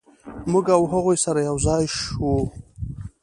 موږ او هغوی سره یو ځای شوو.